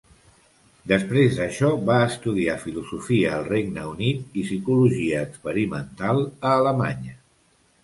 Després d'això va estudiar filosofia al Regne Unit i psicologia experimental a Alemanya.